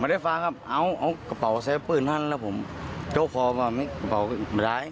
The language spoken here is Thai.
ไม่ได้ฝากครับเอากระเป๋าใส่ปืนท่านแล้วผมเจ้าขอว่ามีกระเป๋าหรือไม่ได้